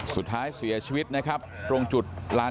สุดท้ายเสียชีวิตนะครับ